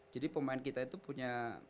jadi pemain kita itu punya